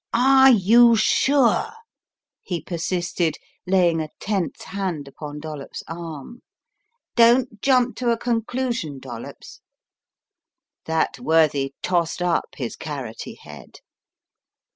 "Are you sure?" he persisted, laying a tense hand upon Dollops 9 arm. "Don't jump to a con clusion, Dollops." That worthy tossed up his carrotty head.